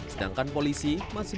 sedangkan polisi masih